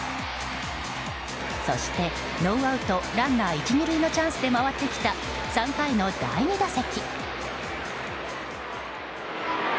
そして、ノーアウトランナー１、２塁のチャンスで回ってきた、３回の第２打席。